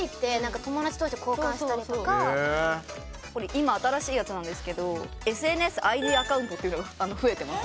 今新しいやつなんですけど「ＳＮＳＩＤ／ＡＣＣＯＵＮＴ」っていうのが増えてます。